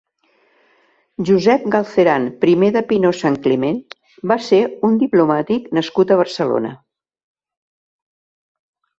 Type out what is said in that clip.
Josep Galceran primer de Pinós-Santcliment va ser un diplomàtic nascut a Barcelona.